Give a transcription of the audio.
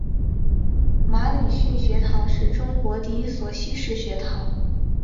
马礼逊学堂是中国第一所西式学堂。